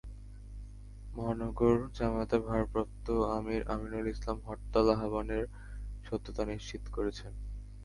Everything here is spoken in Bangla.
মহানগর জামায়াতের ভারপ্রাপ্ত আমির আমিনুল ইসলাম হরতাল আহ্বানের সত্যতা নিশ্চিত করেছেন।